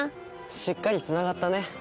しっかりつながったね。